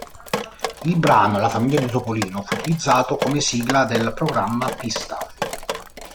Il brano "La famiglia di Topolino" fu utilizzato come sigla del programma "Pista!